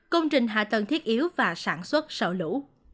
công trình hạ tầng thiết yếu và sản xuất sau lũ